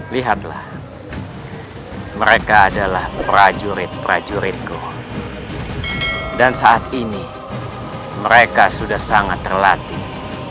lihatlah mereka adalah prajurit prajuritku dan saat ini mereka sudah sangat terlatih